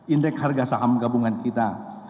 indeks harga saham gabungan kita